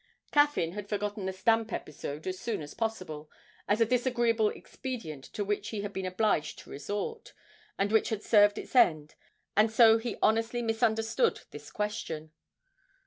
Caffyn had forgotten the stamp episode as soon as possible, as a disagreeable expedient to which he had been obliged to resort, and which had served its end, and so he honestly misunderstood this question.